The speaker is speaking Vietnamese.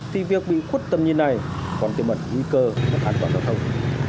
thì việc bị khuất tầm như này còn tiêu mật nguy cơ mất hạn quả giao thông